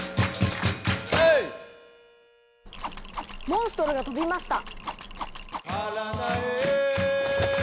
モンストロが飛びました！